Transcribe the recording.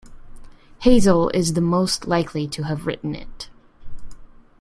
Hazael is the most likely to have written it.